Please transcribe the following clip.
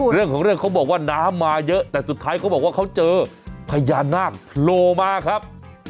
เรื่องของเรื่องเขาบอกว่าน้ำมาเยอะแต่สุดท้ายเขาบอกว่าเขาเจอพญานาคโผล่มาครับ